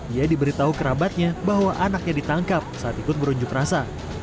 ia diberitahu kerabatnya bahwa anaknya ditangkap saat ikut berunjuk rasa